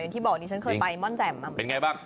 ที่บอกดิฉันเคยไปม่อนแจ่มเป็นไงบ้าง